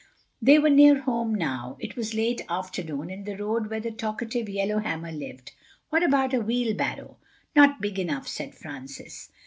They were near home now—it was late afternoon, in the road where the talkative yellowhammer lived. "What about a wheelbarrow?" "Not big enough," said Francis.